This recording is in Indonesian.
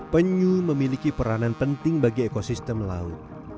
penyu memiliki peranan penting bagi ekosistem laut